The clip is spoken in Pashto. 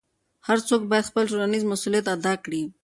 هر څوک باید خپل ټولنیز مسؤلیت ادا کړي.